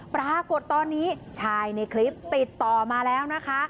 ปรากฏตอนนี้ชายในคลิปติดต่อมาแล้วนะคะ